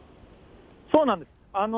そうなんです。